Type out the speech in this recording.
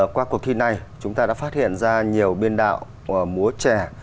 qua cuộc thi này chúng ta đã phát hiện ra nhiều biên đạo múa trẻ